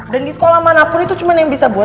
dan di sekolah manapun itu cuma yang bisa buat